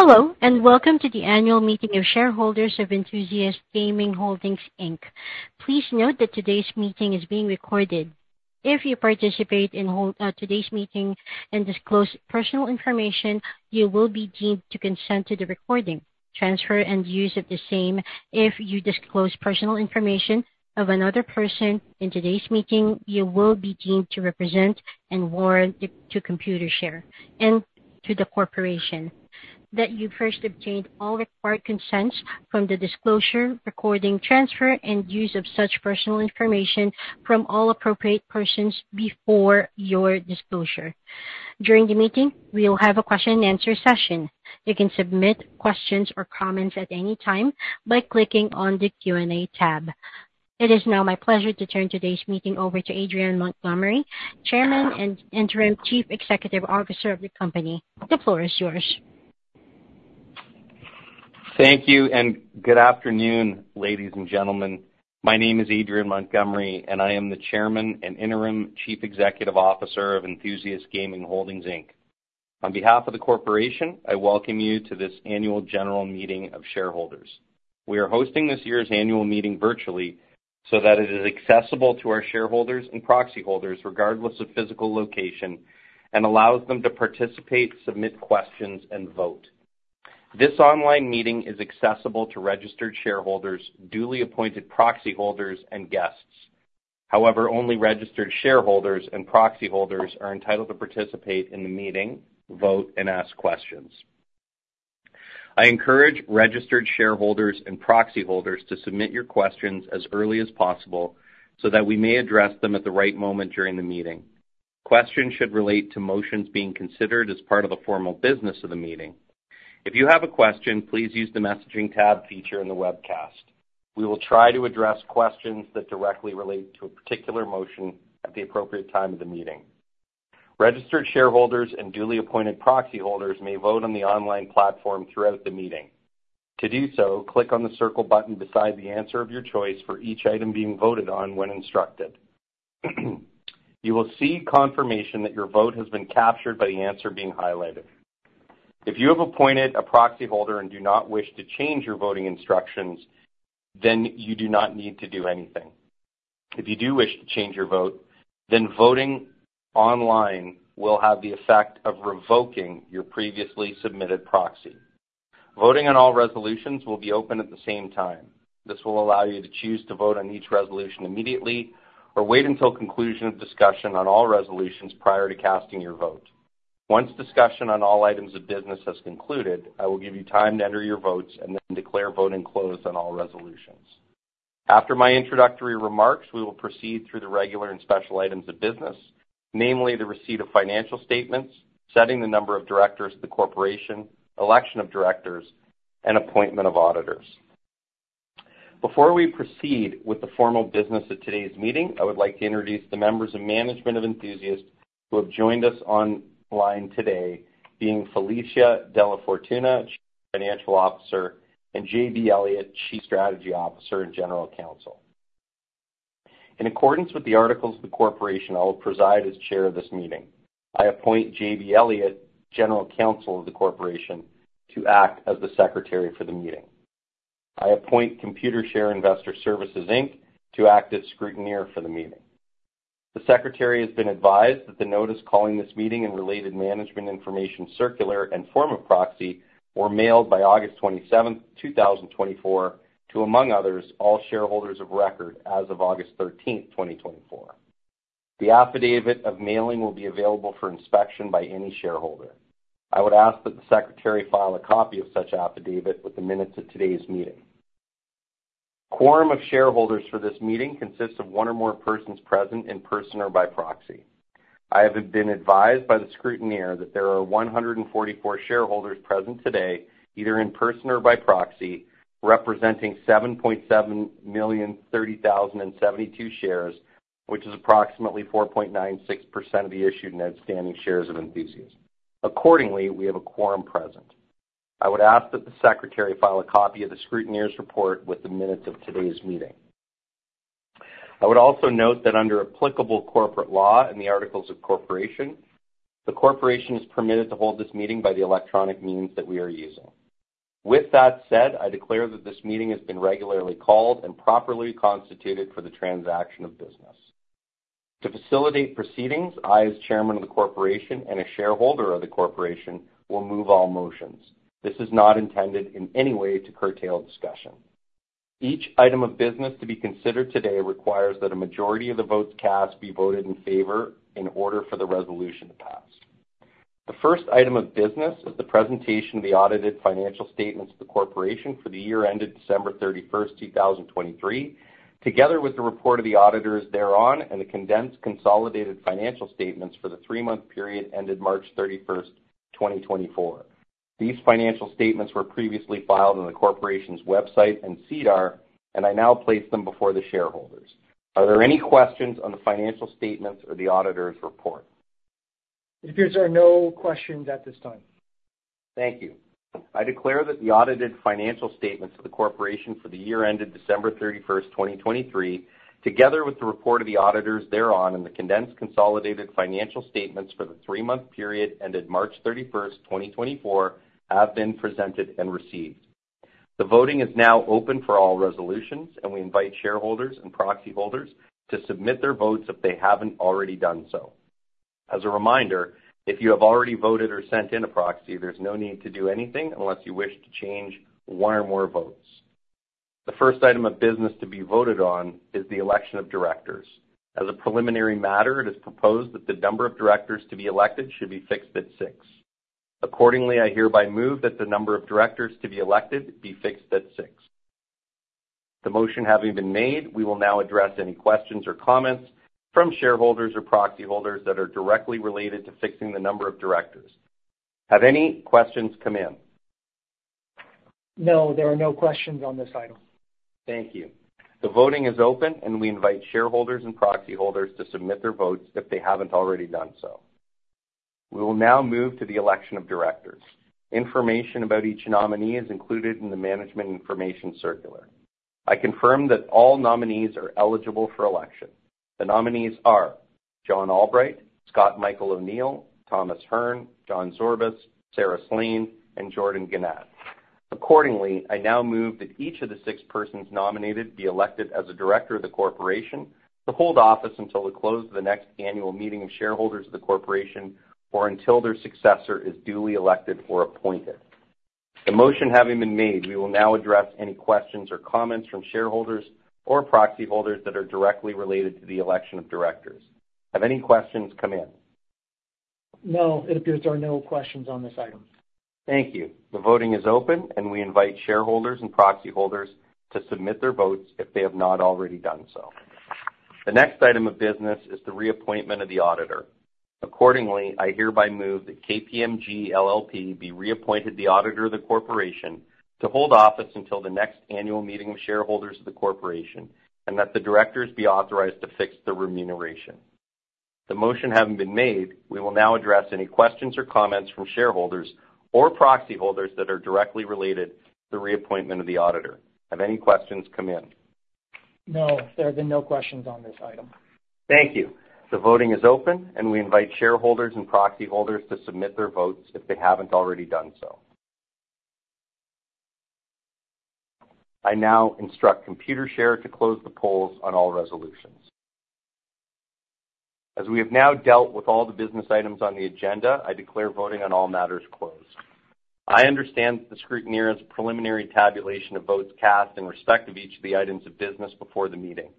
Hello, and welcome to the annual meeting of shareholders of Enthusiast Gaming Holdings, Inc. Please note that today's meeting is being recorded. If you participate in today's meeting and disclose personal information, you will be deemed to consent to the recording, transfer, and use of the same. If you disclose personal information of another person in today's meeting, you will be deemed to represent and warrant to Computershare and to the corporation that you first obtained all required consents from the disclosure, recording, transfer, and use of such personal information from all appropriate persons before your disclosure. During the meeting, we will have a question and answer session. You can submit questions or comments at any time by clicking on the Q&A tab. It is now my pleasure to turn today's meeting over to Adrian Montgomery, Chairman and Interim Chief Executive Officer of the company. The floor is yours. Thank you, and good afternoon, ladies and gentlemen. My name is Adrian Montgomery, and I am the Chairman and Interim Chief Executive Officer of Enthusiast Gaming Holdings, Inc. On behalf of the corporation, I welcome you to this annual general meeting of shareholders. We are hosting this year's annual meeting virtually so that it is accessible to our shareholders and proxy holders regardless of physical location and allows them to participate, submit questions, and vote. This online meeting is accessible to registered shareholders, duly appointed proxy holders, and guests. However, only registered shareholders and proxy holders are entitled to participate in the meeting, vote, and ask questions. I encourage registered shareholders and proxy holders to submit your questions as early as possible so that we may address them at the right moment during the meeting. Questions should relate to motions being considered as part of the formal business of the meeting. If you have a question, please use the messaging tab feature in the webcast. We will try to address questions that directly relate to a particular motion at the appropriate time of the meeting. Registered shareholders and duly appointed proxy holders may vote on the online platform throughout the meeting. To do so, click on the circle button beside the answer of your choice for each item being voted on when instructed. You will see confirmation that your vote has been captured by the answer being highlighted. If you have appointed a proxy holder and do not wish to change your voting instructions, then you do not need to do anything. If you do wish to change your vote, then voting online will have the effect of revoking your previously submitted proxy. Voting on all resolutions will be open at the same time. This will allow you to choose to vote on each resolution immediately or wait until conclusion of discussion on all resolutions prior to casting your vote. Once discussion on all items of business has concluded, I will give you time to enter your votes and then declare voting closed on all resolutions. After my introductory remarks, we will proceed through the regular and special items of business, namely the receipt of financial statements, setting the number of directors of the corporation, election of directors, and appointment of auditors. Before we proceed with the formal business of today's meeting, I would like to introduce the members of management of Enthusiast who have joined us online today, being Felicia DellaFortuna, Chief Financial Officer, and J.B. Elliott, Chief Strategy Officer and General Counsel. In accordance with the articles of the corporation, I will preside as chair of this meeting. I appoint J.B. Elliott, General Counsel of the corporation, to act as the secretary for the meeting. I appoint Computershare Investor Services Inc. to act as scrutineer for the meeting. The secretary has been advised that the notice calling this meeting and related Management Information Circular and form of proxy were mailed by August twenty-seventh, two thousand twenty-four, to, among others, all shareholders of record as of August thirteenth, twenty twenty-four. The Affidavit of Mailing will be available for inspection by any shareholder. I would ask that the secretary file a copy of such affidavit with the minutes of today's meeting. Quorum of shareholders for this meeting consists of one or more persons present in person or by proxy. I have been advised by the scrutineer that there are 144 shareholders present today, either in person or by proxy, representing 7,730,072 shares, which is approximately 4.96% of the issued and outstanding shares of Enthusiast. Accordingly, we have a quorum present. I would ask that the secretary file a copy of the scrutineer's report with the minutes of today's meeting. I would also note that under applicable corporate law and the articles of corporation, the corporation is permitted to hold this meeting by the electronic means that we are using. With that said, I declare that this meeting has been regularly called and properly constituted for the transaction of business. To facilitate proceedings, I, as chairman of the corporation and a shareholder of the corporation, will move all motions. This is not intended in any way to curtail discussion. Each item of business to be considered today requires that a majority of the votes cast be voted in favor in order for the resolution to pass. The first item of business is the presentation of the audited financial statements of the corporation for the year ended December thirty-first, two thousand twenty-three, together with the report of the auditors thereon, and the condensed consolidated financial statements for the three-month period ended March thirty-first, twenty twenty-four. These financial statements were previously filed on the corporation's website and SEDAR, and I now place them before the shareholders. Are there any questions on the financial statements or the auditors' report? It appears there are no questions at this time. Thank you. I declare that the audited financial statements of the corporation for the year ended December thirty-first, twenty twenty-three, together with the report of the auditors thereon, and the condensed consolidated financial statements for the three-month period ended March thirty-first, twenty twenty-four, have been presented and received. The voting is now open for all resolutions, and we invite shareholders and proxy holders to submit their votes if they haven't already done so. As a reminder, if you have already voted or sent in a proxy, there's no need to do anything unless you wish to change one or more votes. The first item of business to be voted on is the election of directors. As a preliminary matter, it is proposed that the number of directors to be elected should be fixed at six. Accordingly, I hereby move that the number of directors to be elected be fixed at six. The motion having been made, we will now address any questions or comments from shareholders or proxy holders that are directly related to fixing the number of directors. Have any questions come in? No, there are no questions on this item. Thank you. The voting is open, and we invite shareholders and proxy holders to submit their votes if they haven't already done so. We will now move to the election of directors. Information about each nominee is included in the Management Information Circular. I confirm that all nominees are eligible for election. The nominees are John Albright, Scott O'Neil, Michael Thoma, John Zorbas, Sharad Devarajan, and Jardeep Grewal. Accordingly, I now move that each of the six persons nominated be elected as a director of the corporation to hold office until the close of the next annual meeting of shareholders of the corporation, or until their successor is duly elected or appointed. The motion having been made, we will now address any questions or comments from shareholders or proxy holders that are directly related to the election of directors. Have any questions come in? No, it appears there are no questions on this item. Thank you. The voting is open, and we invite shareholders and proxy holders to submit their votes if they have not already done so. The next item of business is the reappointment of the auditor. Accordingly, I hereby move that KPMG LLP be reappointed the auditor of the corporation to hold office until the next annual meeting of shareholders of the corporation, and that the directors be authorized to fix the remuneration. The motion having been made, we will now address any questions or comments from shareholders or proxy holders that are directly related to the reappointment of the auditor. Have any questions come in? No, there have been no questions on this item. Thank you. The voting is open, and we invite shareholders and proxy holders to submit their votes if they haven't already done so. I now instruct Computershare to close the polls on all resolutions. As we have now dealt with all the business items on the agenda, I declare voting on all matters closed. I understand the scrutineer's preliminary tabulation of votes cast in respect of each of the items of business before the meeting.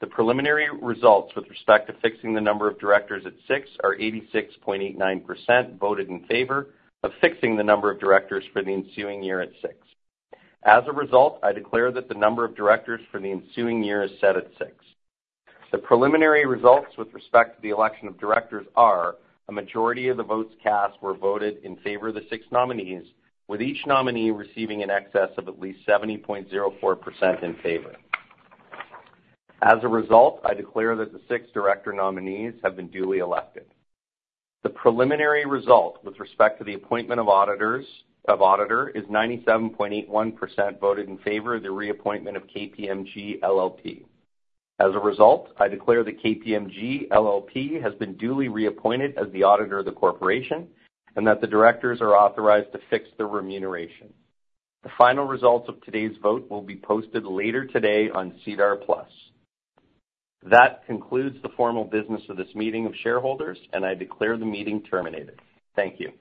The preliminary results with respect to fixing the number of directors at six are 86.89% voted in favor of fixing the number of directors for the ensuing year at six. As a result, I declare that the number of directors for the ensuing year is set at six. The preliminary results with respect to the election of directors are: a majority of the votes cast were voted in favor of the six nominees, with each nominee receiving in excess of at least 70.04% in favor. As a result, I declare that the six director nominees have been duly elected. The preliminary result with respect to the appointment of auditor is 97.81% voted in favor of the reappointment of KPMG LLP. As a result, I declare that KPMG LLP has been duly reappointed as the auditor of the corporation and that the directors are authorized to fix the remuneration. The final results of today's vote will be posted later today on SEDAR+. That concludes the formal business of this meeting of shareholders, and I declare the meeting terminated. Thank you.